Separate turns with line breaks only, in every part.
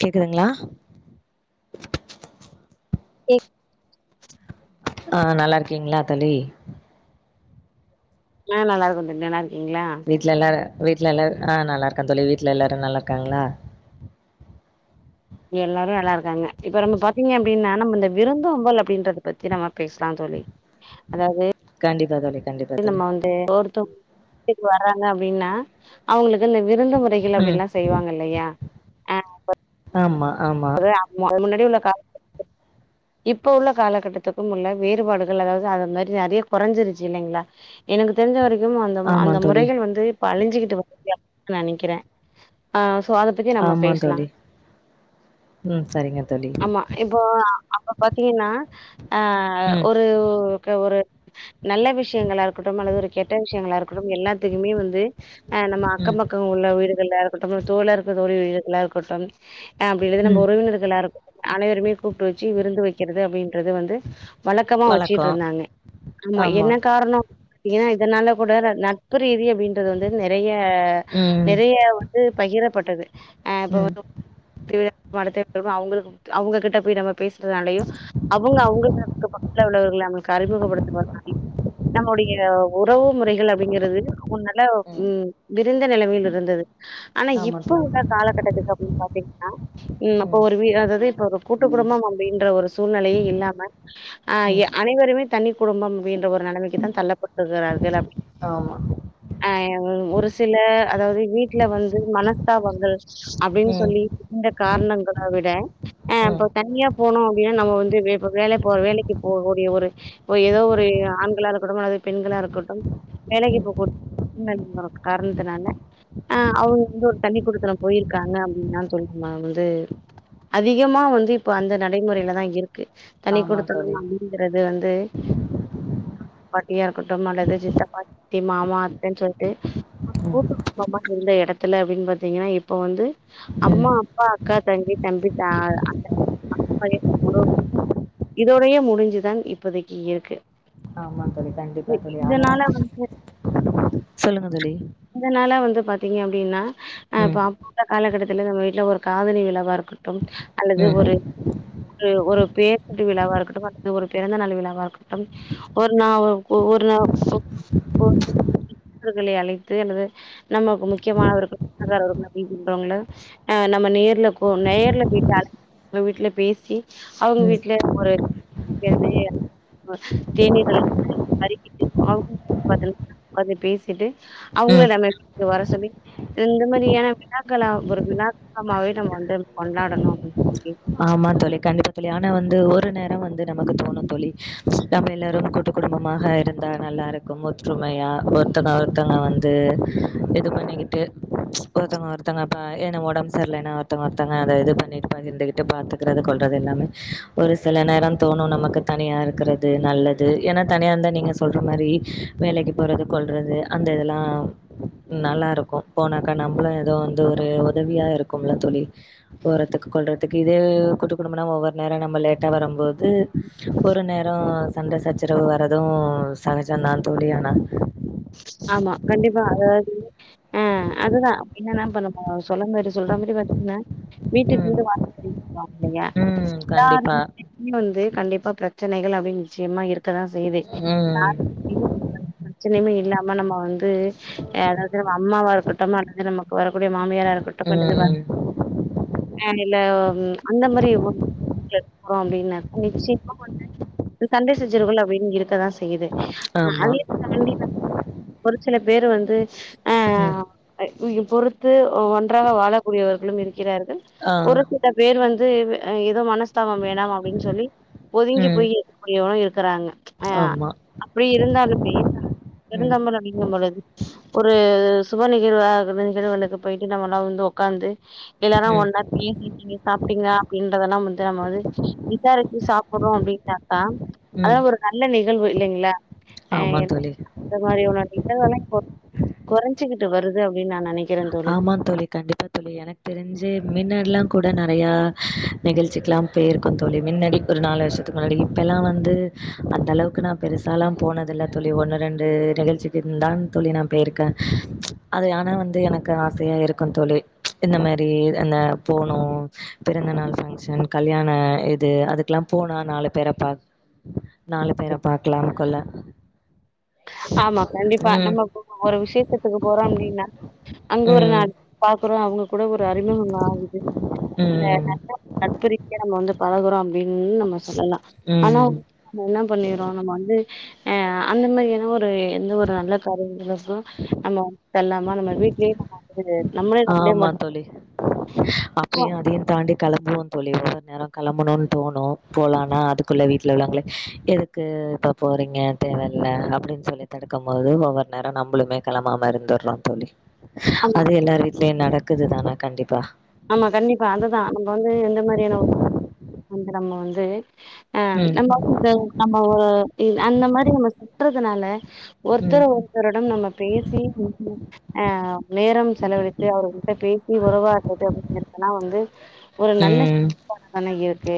கேக்குதுங்ளா
எ
ஆஹ் நல்லா இருக்கீங்ளா தோழி
உம் நல்ல இருக்கே தோழி நீங்க நல்லாரு
வீட்ல எல்லாரு வீட்ல எல்லாரு ஆஹ் நல்லா இருக்க தோழி வீட்ல எல்லாரு நல்லா இருக்காங்ளா
எல்லாரு நல்லா இருக்காங்க இப்ப நம்ம பாத்தீங்க அப்டின்னா நம்ம இந்த விருந்தோம்பல் அப்படின்றத பத்தி நம்ம பேசலா தோழி அதாவ்து
கண்டிப்பா தோழி கண்டிப்பா
இது
தோழி
நம்ம வந்து [unintelligible] தோ வறாங்க அப்டின்னா அவ்ங்களுக் சில விருந்து முறைகள்
ம்
அப்டின்லா செய்வாங்க இல்லையா ஆஹ் ப
அம்மா
ஒரே ஹாப்பி தா கொஞ்ச முன்னாடியே உள்ள கால இப்ப உள்ள காலகட்டத்துக்கும் உள்ள வேறுபாடுகள் அதாவ்து அது மாரி நெறையா கொறஞ்சுருச்சு இல்லைங்ளா எனக்கு தெரிஞ்ச வரைக் கு அந்த ம
ஆமா
அந்த
தோழி
முறைகள் வந்து இப்ப அழிஞ்சிக்கிட்டு வருது இல்லையா நெனைக்கிறே ஆ சோ அத பத்தி நம்ம
ஆமா
பேசலா
தோழி ம் சரிங்க தோழி
ஆமா இப்போ அப்ப பாத்தீங்கன்னா ஆ
ம்
ஒரு ஒரு நல்ல விஷயங்களா இருக்கட்டும் அல்லது ஒரு கெட்ட விஷயங்களா இருக்கட்டும் எல்லாத்துக்குமே வந்து ஆ நம்ம அக்க
ம்
பக்கம் உள்ள வீடு இல்ல இருக்கட்டு தோழர் தோழிகளாக இருக்கட்டும் ஆ அப்படிழுது நம்ம
ம்
உறவினர்கள்ல்லா அனைவருமே கூப்பிட்டு வச்சு விருந்து வெக்கிறது அப்படின் ருது வந்து வழக்கமா வச்சுட்டு
வழக்கோ
இருந்தாங்க ஆமா என்ன காரணம் ஏ அதனால கூட நட்பு ரீதிய அப்படின்றது வந்து நெறைய
ம்
நெறைய வந்து பகிரப்பட்டது அ இப்ப
ம்
வந்து அவங்களுக்கு அவங்க கிட்ட போய் நம்ம பேசுறது நாலையையு அவங்க அவங்க பக்த்துல உள்ளவர்களை நமக்கு அறிமுகப்படுத்வதாலயும் நம்முடைய உறவு முறைகள் அப்படிங்கிறது முந்நல்ல உ
ம்
எந்த நிலமையில் இருந்தது ஆனா
ஆமா
இப்ப
தோழி
உள்ள காலகட்டத்துக்கு அப்படின்னு பாத்தீங்க ம் அப்ப ஒரு வீ அதாவது இப்ப ஒரு கூட்டு குடும்பம் அப்படின்ற ஒரு சூழ்நிலையே இல்லாம ஆ
ம்
அனைவரு குமே தனி குடும்பம் வேண்டு ஒரு நெலமைக்கு தா தள்ளப்பட்டுராங் [unintelligible]
ஆமா
அ ஒரு சில அதாவது வீட்டுல வந்து மனஸ்தாபங்கள் அப்படின்னு
ம்
சொல்லி இந்த காரணங்களை விட ஆ
ம்
இப்ப தண்ணியா போணு அப்படின்னா நம்ம வந்து இப்ப வேலை போ வேலைக்கு போகக்கூடிய ஒரு ஏதோ ஒரு ஆண்களா இருக்கட்டும் அல்லாவது பெண்களா இருக்கட்டும் வேலைக்கு
ம்
போகக்கூடியங்க [unintelligible] காரணத்தினால ஆ அவங்க வந்து ஒரு தண்ணி குடுத்தனம் போயிருக்காங்க அப்படின்னா சொல்லனுனா வந்து அதிகமா வந்து இப்ப அந்த நடைமுறையிலதான் இருக்கு தனி
ஆமா
குடுத்தணும்
தோழி
அப்படிங்கறது வந்து சத்த பாட்டியா இருக்கட்டும் அல்லது சித்த பாட்டி மாமா அத்தைன்னு சொல்லிட்டு
ம்
கூட்டுமா இருந்த இடத்துல அப்படின்னு பாத்தீங்கன்னா இப்ப வந்து
ம்
அம்மா அப்பா அக்கா தங்கி தம்பி அந்த [unintelligible] உறவு முறை இதோடையே முடிஞ்சுதான் இப்போதைக்கு இருக்கு
ஆமா தோழி
இ
கண்டிப்பா தோழி ஆனா
இதனால வந்து
சொல்லுங்க தோழி
இதனால வந்து பாத்தீங்க அப்படின்னா அ
ம்
இப்ப அப்போ காலகட்டத்தில் இதில நம்ம வீட்டில் ஒரு காதனி விழவாக இருக்கட்டும் அல்லது
ம்
ஒரு ஒரு ஒரு பேரட்டு விழாவா இருக்கட்டும் அல்லது ஒரு பிறந்தநள் விழாவா இருக்கட்டும் ஒரு நா ஒரு [unintelligible] நண்பர்களை அழைத்து அல்லது நமக்கு முக்கியமானவர்கள்ர்கள் சொந்தகாரர்கள்அப்படின்னு சொல்றோவங்கள ஆ நம்ம நேர்ல கோ நேர்ல போயட்டு அழச் வீட்டுல பேசி அவங்க
ம்
வீட்டுல ஒரு [unintelligible] தேநீர்ல்லாம்றிக்கிட்டு இருங்க [unintelligible] உக்காந்து பேசிட்டு அவங்கள
ம்
நாம்ம வரச சொல்லி இந்த மாரியான விழாக்களா விளாக்கமாவே நம்ம வந்து கொண்டாடணும் அப்படின்னு [unintelligible]
ஆமா தோழி கண்டிப்பா தோழி ஆனா வந்து ஒரு நேர் ந வந்து நமக்கு தோணு தோழி நம்ம எல்லோரும் கூட்டு குடும்பமாக இருந்தா நல்லா இருக்கும் ஒற்றுமையா ஒருத்தங்க ஒருத்தங்க வந்து இது பண்ணிகிட்டு ஒருத்தங்க ஒருத்தங்கப்ப ஏனா ஒடம்பு சர்லினா ஒருத்தங்க ஒருத்தங்க அது இது பண்ணிட்டு இருந்துகிட் டு பாத்துக்கறது கொள்றது எல்லாமே ஒரு சில நேரம் தோணு நமக்கு தனியா இருக்கிறது நல்லது ஏனா தனியா இருந்தா நீங்க சொல்ற மாரி வேலைக்கு போறது கொள்றது அந்த இதெல்லா நல்லா இருக்கு போனாக்கா நம்புளு ஏதோ வந்து ஒரு உதவியா இருக்கும்ல தோழி போறத்துக்கு கொள்ற த்துக்கு இதே கூட்டு குடும்பனா ஒவ்வொரு நேர நம்ம லேட்டா வரும்போது ஒரு நேர சண்ட சச்சரவு வரது சகஜந்தா தோழி ஆனா
ஆமா கண்டிப்பா அதாவது ஆ அதுதா அப்டினா என்ன பண்ணுவ சொல்ல மாரி சொல்ற மாரி பாத்திங்னா வீட்டுக்கு
ம்.
வீடு வாசப்படி தா
ம். கண்டிப்பா.
எல்லாத்து வீட்லயு வந்து கண்டிப்பா பிர ச்சனைகள் அப்டின் நிச்சயமா இருக் கதா செய்து
ம்.
[inaudible] பிரச்சனைமே இருக் நம்ம வந்து அதாவது நம்ம அம்மாவா இருக்கட்டும் அல்லது நமக்கு வர கூடிய மாமியாரா இருக்கட்டுமா அல்லது
ம்.
ஏ இல்ல அந்த மாரி [inaudible] அப்டின்னு உங்ளுக்கு சிக்கும்போது சண்டை சச்சுரவுகள் அப்படினு இருக்கதா செய்யுது
ஆமா.
அதையு தாண்டி வந் ஒரு சில பேர் வந்து அ
ம்.
ய பொறுத்து ஒன்றாக வாழக்கூடியவர்களும் இருக்கிறார்கள்
ஆ.
ஒரு சில பேர் வந்து ஏதோ மனசு தாபம் வேணாம் அப்டின் சொல்லி ஒதுங்கி
ம்.
போய் இருக்கக்கூடியவனு இருக்கறாங்க ஆ
ஆமா.
அப்படி இருந்தாலுமே
ம்.
விருந்தோம்பல் அதிகம் உள்ளது ஒரு சுப நிகழ்வுக நிகழ்வுகளுக்கு போயிட்டு நம்மல்லா வந்து ஒக்காந்து எல்லாரு
ம்.
ஒன்னா பேசி நீங்க சாப்ட்டிங்ளா அப்டின்றதெல்லா வந் து நம்ம வந்து விசாரிச்சு சாப்பர்றோ அப்டின் டா
ம்.
அதெல்லா ஒரு நல்ல நிகழ்வு இல்லைங்க ளா
ஆமா தோழி
அந்த மாரி ஒரு நிகழ்வெலா இப்போ கொறஞ்சுகிட்டு வருது அப்டின் நா நெனைக்
ஆமா தோழி கண்டிப்பா தோழி எனக்கு தெரிஞ்சு மின்ன எல்லா கூட் டு நெறையா நிகழ்ச்சிக்லா போயிருக்கோ தோழி மின்னாடி ஒரு நாலு வருஷத்துக்கு முன்னாடி இப்பல்லா வந்து அந்த அளவுக்கு நா பெருசாலாம் போனதில்ல தோழி ஒன்னு ரெண்டு நிகழ்ச்சிக்குன் தான் தோழி நா போயிருக்க அது ஆனா வந்து எனக்கு ஆசையா இருக்கு தோழி இந்த மாரி அந்த போனு பிறந்தநாள் பங்க்ஷன் கல்யாண இது அதுக்லா போனு நாலு பேர பா நாலு பேரை பாக்லாம் கொள்ள
ஆமா கண்டிப்பா
ம்.
நம்ம இப்பபோ ஒரு விசேஷத்துக்கு போறோ அப்டின்னா அங்க ஒரு
ம்.
நாள் பாக்கறோ அவங்க கூட ஒரு அறிமுகம் ஆகுது அ
ம்.
நட்பு ரீதியா நம்ம வந்து பழகறோ ம் நம்ம சொல்லலா ஆனா
ம்.
நம்ம என்ன பண்ணிர்றோ நம்ம வந்து ஆ, அந்த மாரி ஏதோ ஒரு ஒரு எந்த ஒரு நல்ல காரியம் [unintelligible] நம்ம வதல்லாம நம்ம வீட்லேயே நம்ம வந்து நம்மளே நம்மளே
ஆமா
முடிச்சுக்கோ.
தோழி அப்படியும் அதையும் தாண்டி கல வும் தோழி ஒவ்வொரு நேரம் களம்பணுன்னு தோணும் போலான்னா அதுக்குள்ளே வீட்ல உள்ளவாங்களே எதுக்கு இப்போ போறீங்க தேவையில்ல அப்படின்னு சொல்லி தடுக்கும் போது ஒவ்வொரு நேரம் நம்மளுமே களம்பாம இருந்துடுறோம் தோழி
ஆமா
அது எல்லார் வீட் லயும் நடக்குது தான கண்டிப்பா
ஆமா கண்டிப்பா அதுதா அந்த நம்ம வந்து ஆ
ம்
நம்ம நம்ம அந்த மாதிரி நம்ம சுட்றது அதனால
ம்
ஒருத்தர் ஒருத்தருடம் நம்ம பேசி ஆ நேரம் செலவழித்து அவர்கிட்ட பேசி உறவாட் அப்ப வந்து ஒரு நல்ல
ம்
செயல்பாடு தான இருக்கு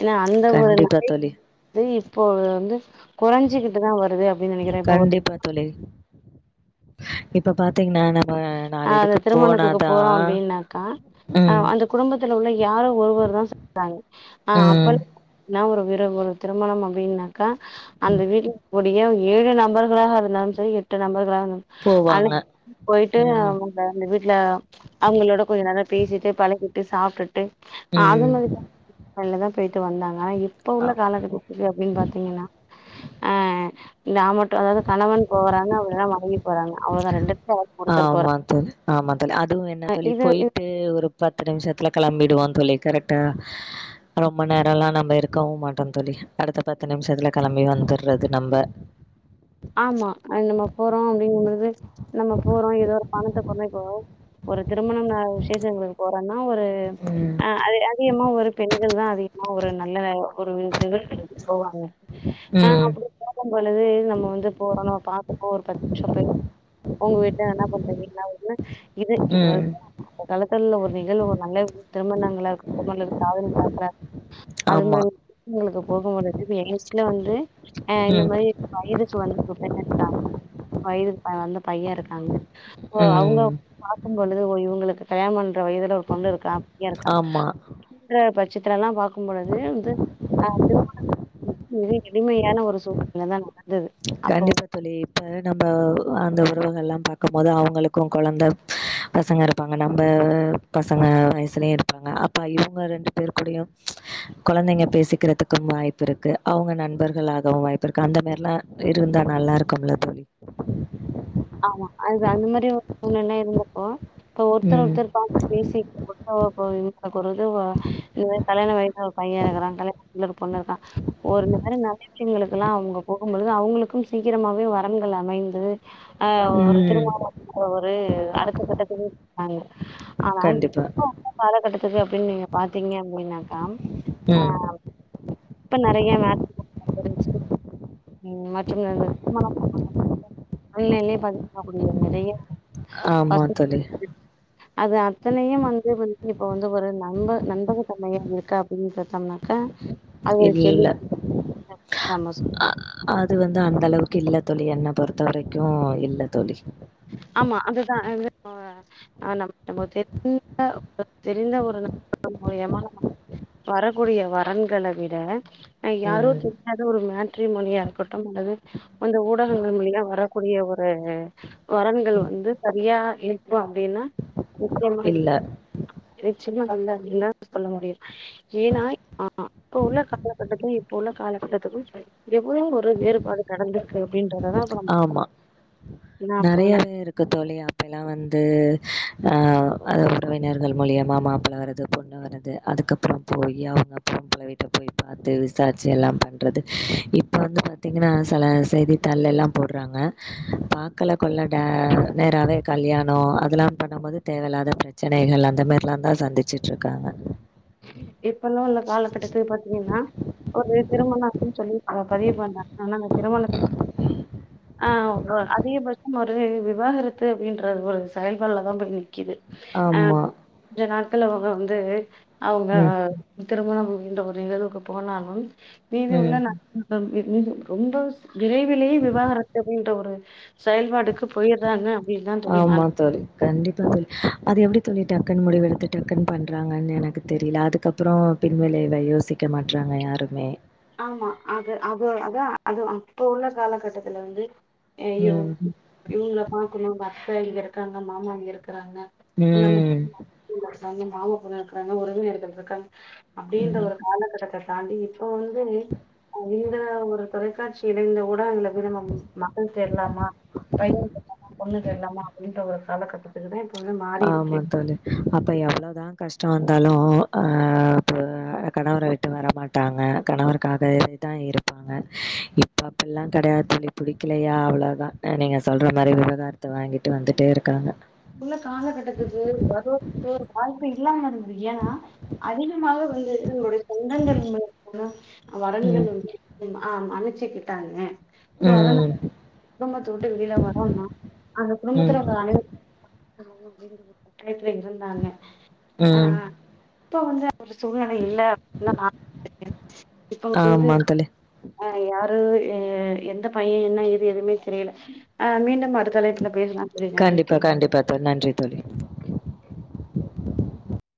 ஏனா அந்த ஒரு
கண்டிப்பா தோழி
[unintelligible] போது வந்து குறைஞ்சுக்கிட்டுதான் வருது அப்படின்னு நினைக்கிறேன் இப்ப ஒரு
கண்டிப்பா தோழி இப்ப பாத்தீங்ன்னா
ஆ அந்த திருமணத்துக்கு போறோம் அப்படின்னாக்கா ஆ
ம்
அந்த குடும்பத்துல உள்ள யாரோ ஒருவர் தான் சொல்றாங்க ஆ
ம்
அப்பல்லாம் ஒரு [unintelligible] ஒரு திருமணம் அப்படின்ன கா அந்த
ம்
வீட்ல போ யோ ஏழு நபர்களாக இருந்தாலும் சரி எட்டு நபர்களாக இரு
போவாங்க
அன்னக் போய்ட் க்கு
ம் ம்
அவங்க நெட் வீட்ல அவங்களோட கொஞ்சோ நல்லா பேசீட்டு பழகீட்டு சாப்ட்டுட்டு ஆ அது
ம்
மாரி தா நல்லதா போயிட்டு வந்தாங்க இப் இப்ப உள்ள
ஆ
கால [unintelligible] அப்டின்னு பாத்தீங்கன்னா ஆ இந்த ஆமட்டு அதாது கணவன் போறாங்க அப்றோ தா மனைவி போறங்க அவ்ளோதா ரெண்டு பேர் யாரா
ஆ ஆமா தோ ஆமாந் ழிஅதுவு என்ன தள்ளி
இது இது
போயிட்டு ஒரு பத்து நிமிஷத்துல கிளம்பிடு வாங் தோழி கரெட்டா ரொம்ப நேரோல்லா நம்ப இருக்கவு மாட்டோ தோழி அடுத்த பத்து நிமிஷத்துல களம்பி வந்துடுறது நம்ப
ஆமா நம்ம போறோம் அப்டிங்கும்பொழுது நம்ம போறோ ஏதோ ஒரு பணத்த கொழந்தைக் போக ஒரு திருமணம் நாள் விசேஷங்களுக் போறொன்னா ஆ ஒரு
ம்
ஆ அதி அதிகமா ஒரு பெண்கள் தா அதிக ஆ ஒரு நல்லவே ஒரு நிகழ்ச்சிக்கு போவாங்க ஆ
ம்
அப்டி வேல போலது நம்ம வந் போனோம் பாத்தப்போ ஒரு பச்சபயர் உங்க வீட்டுல என்ன பண்றீங்க என்ன வருது இது
ம்
இப்பதாது நல்லது நல்ல ஒரு நிகழ்வு நல்ல திருமணங்களா இருக்கட்டும் இல்ல காதணிவிழா போல அது
ஆமா
மாதிரி திருமணங்களுக்கு போகும் பொழுது யோசிச்சி இதுல வந்து ஆ இந்த
ம்
மாரி இருப்பா இதுக்கு வந்து ஒபிடியண்ட்டா வயதிற்கு வந்த பையன் இருக்காங்க ஓ அவங்க
ம்
பாத்திட்டு பொழுது ஓ இவங்களுக்கு கல்யாணோம் இந்த வயதுல ஒரு பொண்ணு இருக்கா பையன் இருக்கான்
ஆமா
அப்டின்ற பட்சத்தில சித்ரால்லா பாக் க்கும் பொழுது வந்து ஆ திருமண இப்ப எளிமையான ஒரு சூழ்நில தான் நல்லது
கண்டிப்பா தோழி இப்ப நம்ம அந்த உறவுகள்லாம் பாக்கும் போது அவங்களுக்கும் கொழந்த பசங்க இருப்பாங்க நம்ப பசங்க வயசுலயும் இருப்பாங்க அப்பா இவங்க ரெண்டு பேர் கூடயும் கொழந்தைங்க பேசிக்கிறதுக்கும் வாய்ப்பு இருக்கு அவங்க நண்பர்களாகவும் வாய்ப்பு இருக்கு அந்த மேரிலாம் இருந்தா நல்லா இருக்கும்ல தோழி
ஆமா. அது இப்ப ஒருத்தர்
ம்
ஒருத்தர் பாத்து பேசிக்கக்கூட [unintelligible] இதுவா இதுவே கல்யாண வயசுல ஒரு பையன் இருக்குறா கல்யா [unintelligible] பொண்ணு இருக்கா ஒரு நேரம் நா [inaudible] ல்லா அவங்க போகும் பொழுது அவங்களுக்கும் சீக்கிரமாவே வரன்கள் அமைந்து ஆஹ் ஒரு
ம்
திரும [inaudible] ஒரு அடுத்த கட்டத்துக்கு [inaudible] காங்க ஆனா
கண்டிப்பா
இப்ப [inaudible] காலகட்டத்துக்கு அப்படின்னு நீங்க பாத்தீங்க அப்படின்னாக்கா
ம்
ஆஹ் இப்ப நெறைய [inaudible] இந் மாரி [inaudible] ஆன்லைன்லே [inaudible] நெறைய
ஆமா தோழி
[inaudible] அது அத்தனையு வந்து வந் இப்ப வந்து ஒரு நம்பக நண்பக தன்மையா இருக்கா அப்படின்னு பாத்தோம்னாக்க
இல்ல
நம்ம
அ
சொல்லணும்
அது வந் து அந்த அளவுக்கு இல்ல தோழி என்ன பொறுத்த வரைக்கும் இல்ல தோழி
ஆமா அதுதா அஹ் நம் நம [inaudible] தெரிந்த [inaudible] வரக்கூடிய வரன்கள விட அஹ் யாரோ
ம்
திட்னது ஒரு மேட் மேட்ரிமோனியா இருக்கட்டும் அல்லது அந்த ஊடகங்கள் மூலியா வரக்கூடிய ஒரு வரன்கள்
ம்
வந்து சரியா இப்பம் அப்டின்னா
இல்ல
[inaudible] சின்ன [unintelligible] சொல்ல முடியும் ஏன்னா ஆஹ் அப்ப உள்ள காலகட்டத்துக்கும் இப்ப உள்ள காலகட்டத்துக்கும் எவ்ளோ ஒரு வேறுபாடு கடந்து
ஆமா
ஏன்னா
ந
அப்ப வந்து
நெறையாவே இருக்கு தோழி அப்பேல்லாம் வந்து அஹ் அதா உறவினர்கள் மூலியமா மாப்ள வருது பொண்ணு வருது அதுக்கப்புறம் போயி அவுங்க மாப்ள வீட்ட போயி பாத்து விசாரிச்சு எல்லாம் பண்றது இப்ப வந்து பாத்தீங்கன்னா சில செய்தி தாள்ளேலாம் போட்றாங்க பாக்கல கொள்ள ட நேராவே கல்யாணம் அதெல்லாம் பண்ணும் போது தேவையில்லாத பிரச்சனைகள் அந்த மாரிலாம் தான் சந்திச்சுட்டு இருக்காங்க
இப்பல்லாம் உள்ள காலக்கட்டத்துக்கு பாத்தீங்கன்னா ஒரு திருமணம் அப்டின்னு சொல்லி பதிவு பண்ணாங்க ஆனா அந்த திருமணத்தை ஆஹ் அதிகபட்சம் ஒரு விவாகரத்து அப்டின்ற ஒரு செயல்பாடுல தான் போய் நிக் கிது அஹ்
ஆமா.
இதுனா க்கலவங்க வந்து அவுங்க
ம்.
திருமணம் என்ற ஒரு நிகழ்வுக்கு போனாலும் வீதி
ம்.
உள்ள [inaudible] மிக ரொம்ப விரைவிலேயே விவாகரத்து அப்டின்ற ஒரு செயல்பாடுக்கு போயிட்றாங்க
ஆமா தோழி கண்டிப்பா தோழி அது எப்டி தோழி டக்குன் முடிவெடுத்து டக்குன் பண்றாங்கன்னு எனக்கு தெரில அதுக்கப்புறம் பின்விலைவ யோசிக்க மாட்றாங்க யாருமே
ஆமா அது அது அதான் அது அப்போ உள்ள காலகட்டத்துல வந்து ஏய்யோ
ம்.
இவுங்கள பாக்கணும் பா அத்த இங்க இருக்காங்க மாமா இங்க இருக்
உம்
இருக்காங்க மாமா பொண்ணு இருக்கறாங்க உறவினர்கள் இருக்காங்க அப்டின்ற
ம்.
ஒரு காலக் கட்டத்துல தாண்டி இப்போ வந்து ஆஹ் லீவ் இந்த ஒரு தொலைக்காட்சி இடைல கூட அதுல கூட நம்ம மகள் தேடலாமா பையன் தேடலாமா பொண்ணு தேடலாமா அப்டின்ற ஒரு காலகட்டத்துக்குதான்
ஆமா தோழி அப்ப எவ்வளவுதான் கஷ் டம் வந்தாலும் அஹ் இப்ப கணவர விட்டு வரமாட்டாங்க கணவருக்காக இதுதான் இருப்பாங்க இப்ப அப்பிடில்லாம் கெடையாது தோழி புடிக்கலையா அவ்வளவுதான் நீங்க சொல்ற மாரி விவகாரத்த வாங்கிட்டு வந்துட்டே இருக்காங்க.
உள்ள காலகட்டத்துக்கு வரும் [inaudible] வாய்ப்பு இல்லாம இருந்தா ஏன் அதிகமாவே வந்து து உங்களுடைய தங்கங்கள் [inaudible] ஆஹ் அ வரணிகள்
ம்.
வந்து என்னா ஆஹ் மனுச்சுக்கிட்டாங்க சோ அதனால
ம்.
குடும்பத்த விட்டு வெளில வரோனா அந்த
ம்.
குடும்பத்துல உள்ள அனைவரு நம்மளு வய்ரோட [unintelligible] வய்த்துல இருந்தாங்க
ம்.
ஆஹ்ஹ இப்ப அவ்ங்க ஒரு சூழ்நிலை இல்ல அப்டின் தா நானு [inaudible] இப்ப அவ்ங்க வந்து.
ஆமா தோழி.
அஹ் யாரு எ எந்த பைய என்ன ஏது எதுமே தெரியல ஆஹ் மீண்டும் அடுத்தலைப்புல பேசலா தோழி நன்றி
பா கண்டிப்பா தோழி நன்றி தோழி